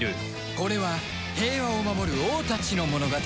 これは平和を守る王たちの物語